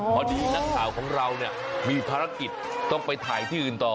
พอดีนักข่าวของเราเนี่ยมีภารกิจต้องไปถ่ายที่อื่นต่อ